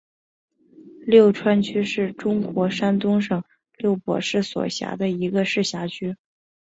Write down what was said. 淄川区是中国山东省淄博市所辖的一个市辖区。